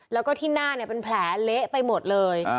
แล้วก็ที่หน้าเป็นแผลเละไปหมดเลย